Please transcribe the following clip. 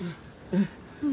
うん。